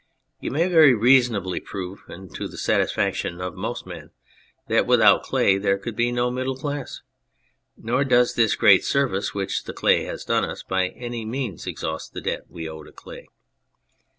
You may very reasonably prove, and to the satis faction of most men, that without clay there could be no middle class ; nor does this great service which the clay has done us by any means exhaust the debt we owe to clay.